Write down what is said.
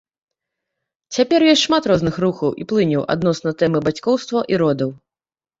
Цяпер ёсць шмат розных рухаў і плыняў адносна тэмы бацькоўства і родаў.